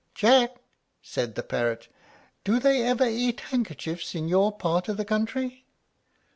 "Jack," said the parrot, "do they ever eat handkerchiefs in your part of the country?"